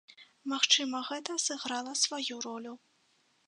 Магчыма, гэта сыграла сваю ролю.